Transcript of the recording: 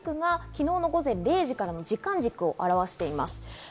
横軸が昨日の午前０時からの時間軸を表しています。